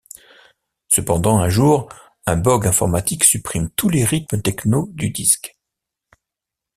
Cependant, un jour, un bogue informatique supprime tous les rythmes technos du disque.